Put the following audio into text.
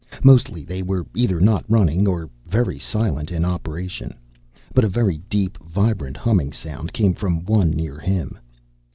Mostly they were either not running or very silent in operation; but a very deep, vibrant humming sound came from one near him.